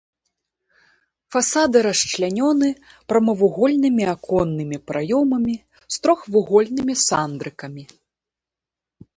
Фасады расчлянёны прамавугольнымі аконнымі праёмамі з трохвугольнымі сандрыкамі.